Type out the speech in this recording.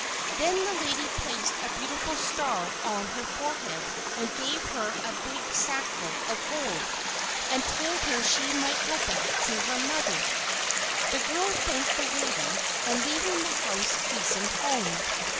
Then the lady placed a beautiful star on her forehead, and gave her a big sackful of gold, and told her she might go back to her mother. The girl thanked the lady, and leaving the house hastened home.